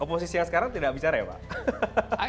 oposisinya sekarang tidak bicara ya pak